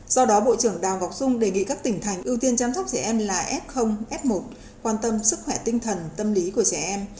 do đó bộ trưởng đào ngọc dung đề nghị các tỉnh thành ưu tiên chăm sóc trẻ em là f f một quan tâm sức khỏe tinh thần tâm lý của trẻ em